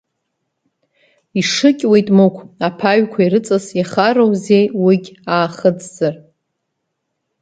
Ишыкьуеит Мықә, аԥаҩқәа ирыҵас, иахароузеи уигь аахыҵзар?